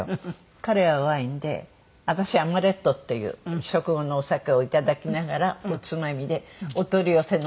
彼がワインで私はアマレットっていう食後のお酒をいただきながらおつまみでお取り寄せのおかき。